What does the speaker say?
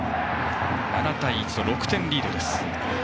７対１と６点リードです。